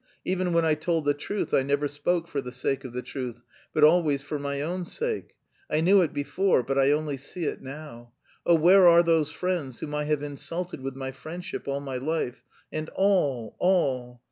Even when I told the truth I never spoke for the sake of the truth, but always for my own sake. I knew it before, but I only see it now.... Oh, where are those friends whom I have insulted with my friendship all my life? And all, all!